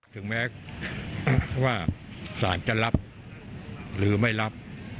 ถึงแม้ว่าสารจะรับหรือไม่รับ